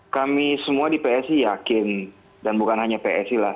kami semua di psi yakin dan bukan hanya psi lah